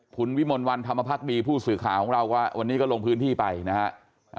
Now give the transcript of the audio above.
คุณวิมลวันธรรมพักดีผู้สื่อข่าวของเราก็วันนี้ก็ลงพื้นที่ไปนะฮะ